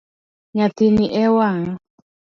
Nyathini e wang'a.